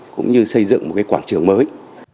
cũng như xây dựng một cái quảng trường mới